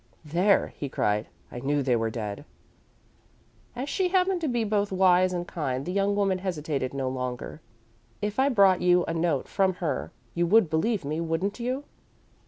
"There," he cried. "I knew they were dead!" As she happened to be both wise and kind, the young woman hesitated no longer. "If I brought you a note from her you would believe me, wouldn't you?"